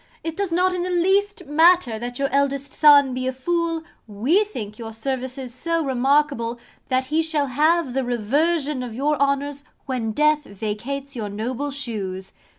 It does not in the least matter that your eldest son be a fool: we think your services so remarkable, that he shall have the reversion of your honours when death vacates your noble shoes.